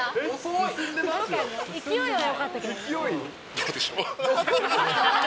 どうでしょう。